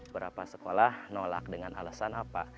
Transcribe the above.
berapa sekolah nolak dengan alasan apa